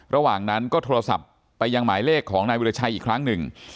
ระหว่างนั้นก็โทรศัพท์ไปยังหมายเลขของนายวิราชัยอีกครั้งหนึ่ง